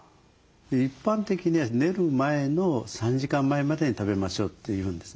一般的には寝る前の３時間前までに食べましょうっていうんですね。